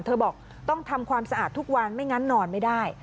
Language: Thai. บอกต้องทำความสะอาดทุกวันไม่งั้นนอนไม่ได้